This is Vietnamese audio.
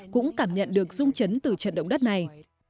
cũng cảm nhận được rung chấn từ trận động đất này